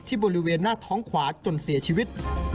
บริเวณหน้าท้องขวาจนเสียชีวิต